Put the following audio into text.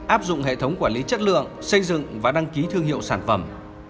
áp dụng hệ thống quản lý chất lượng xây dựng và đăng ký thương hiệu sản phẩm